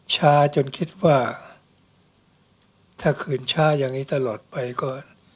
ช้าจนคิดว่าถ้าคืนช้าอย่างนี้ตลอดไปก็